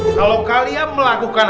kalau kalian melakukan